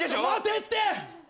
待てって！